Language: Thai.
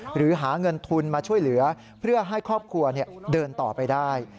หรือหาเงินทุนมาช่วยเหลือเพื่อให้ครอบครัวเดินต่อไปได้